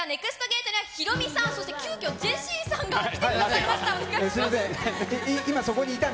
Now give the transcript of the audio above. ゲートにはヒロミさん、そして急きょ、ジェシーさんが来てくださいました。